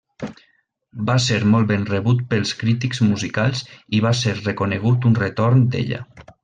Va ser molt ben rebut pels crítics musicals i va ser reconegut un retorn d'ella.